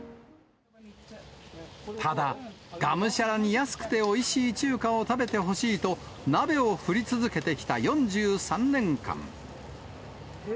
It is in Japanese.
ただがむしゃらに、安くておいしい中華を食べてほしいと、鍋を振り続けてきた４３年間。